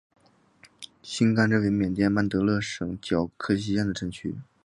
辛甘镇为缅甸曼德勒省皎克西县的镇区。